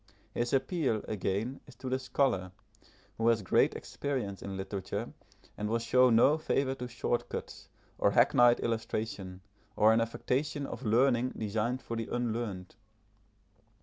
His appeal, again, is to the scholar, who has great experience in literature, and will show no favour to short cuts, or hackneyed illustration, or an affectation of learning designed for the unlearned.